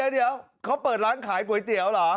เดี๋ยวเขาเปิดร้านขายก๋วยเตี๋ยวเหรอ